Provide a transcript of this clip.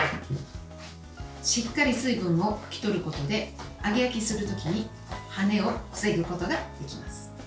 しっかり水分を拭き取ることで揚げ焼きするときにはねを防ぐことができます。